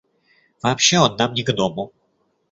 Вообще он нам не к дому.